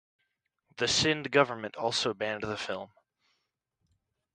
The Sindh government also banned the film.